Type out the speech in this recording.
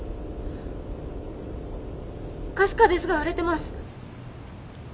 かすかですが触れてます。